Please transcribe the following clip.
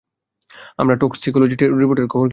আমার টক্সিকোলজি রিপোর্টের খবর কী?